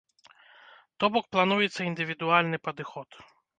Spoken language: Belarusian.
То бок плануецца індывідуальны падыход.